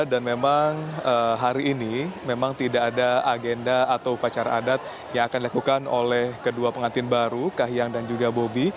dan memang hari ini memang tidak ada agenda atau pacar adat yang akan dilakukan oleh kedua pengantin baru kahayang dan juga bobi